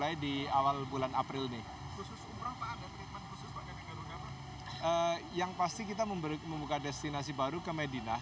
yang pasti kita membuka destinasi baru ke medinah